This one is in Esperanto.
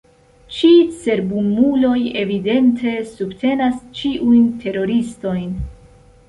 Ĉi cerbumuloj evidente subtenas ĉiujn teroristojn.